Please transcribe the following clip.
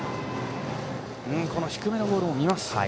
低めのボールを見ました。